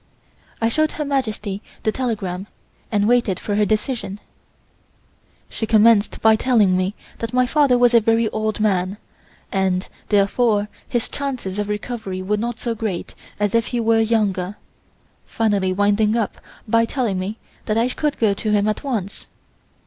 I showed Her Majesty the telegram and waited for her decision. She commenced by telling me that my father was a very old man, and therefore his chances of recovery were not so great as if he were younger, finally winding up by telling me that I could go to him at once.